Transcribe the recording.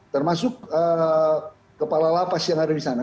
termasuk kepala lapas yang ada di sana